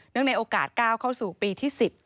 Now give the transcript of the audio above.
ในโอกาสก้าวเข้าสู่ปีที่๑๐